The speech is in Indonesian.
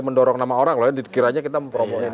mendorong nama orang kira kira kita mempromosikan